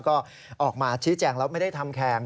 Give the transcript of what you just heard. ก็ออกมาชี้แจงแล้วไม่ได้ทำแข่ง